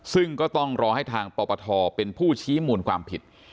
ซึ่งก็ต้องรอให้ทางปปทเป็นผู้ชี้มูลความผิด